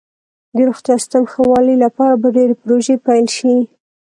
د روغتیا سیستم ښه والي لپاره به ډیرې پروژې پیل شي.